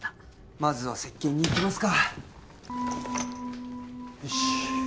まずは接見に行きますかよしッ